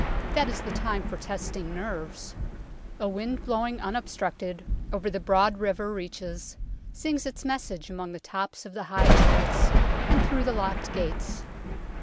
That is the time for testing nerves. A wind blowing un obstructed over the broad river reaches sings its message among the tops of the high turrets and through the locked gates.